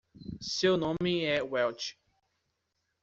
Seu nome é Welch.